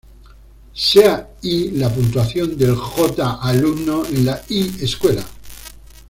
Sea"Y" la puntuación del "j" alumno en la "i" escuela.